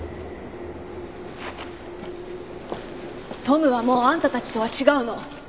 登夢はもうあんたたちとは違うの。